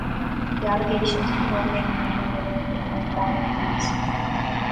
The allegations of corruption earned him the nickname of "Don Readies".